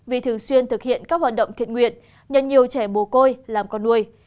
vì thường xuyên thực hiện các hoạt động thiện nguyện nhận nhiều trẻ mồ côi làm con nuôi